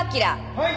はい。